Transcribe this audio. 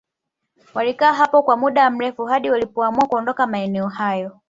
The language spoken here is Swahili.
Walikaa hapo kwa muda mrefu hadi walipoamua kuondoka maeneo hayo